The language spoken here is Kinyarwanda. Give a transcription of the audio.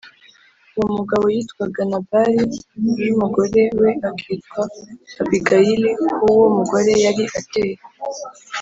Uwo mugabo yitwaga Nabali j umugore we akitwa Abigayili k Uwo mugore yari ateye